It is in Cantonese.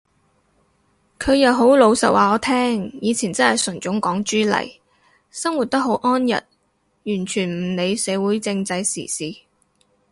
佢又好老實話我聽，以前真係純種港豬嚟，生活得好安逸，完全唔理社會政制時事